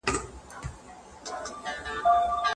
د سياسي ټکر په وخت کي له زوره کار مه اخلئ.